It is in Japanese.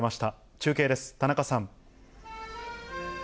中継です、田中さん。